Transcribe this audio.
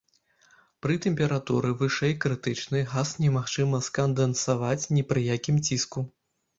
Пры тэмпературы вышэй крытычнай газ немагчыма скандэнсаваць ні пры якім ціску.